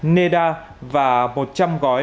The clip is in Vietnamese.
neda và một trăm linh gói